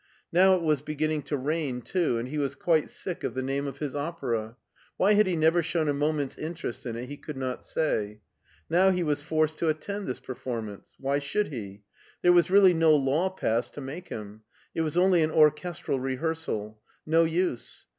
Now it was beginning to rain too, and he was quite sick of the name of his opera. Why he had ever shown a moment's interest in it he could not say. Now he was forced to attend this performance. Why should he? There was really no law passed to make him. It was only an orchestral rehearsal. No use.